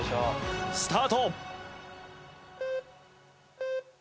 スタート！